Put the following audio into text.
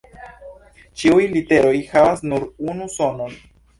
Ĉiuj literoj havas nur unu sonon.